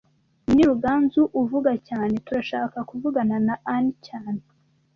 Uyu ni Ruganzu avuga cyane Turashaka kuvugana na Ann cyane